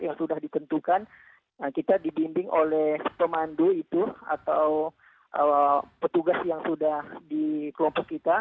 yang sudah ditentukan kita dibimbing oleh pemandu itu atau petugas yang sudah di kelompok kita